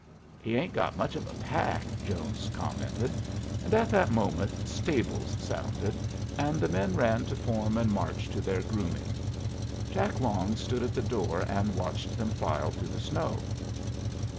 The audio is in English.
"He 'ain't got much of a pack," Jones commented, and at that moment "stables" sounded, and the men ran out to form and march to their grooming. Jack Long stood at the door and watched them file through the snow.